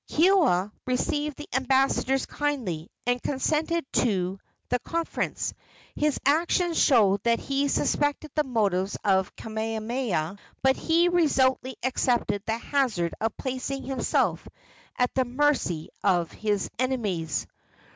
Keoua received the ambassadors kindly, and consented to the conference. His actions show that he suspected the motives of Kamehameha, but he resolutely accepted the hazard of placing himself at the mercy of his enemies.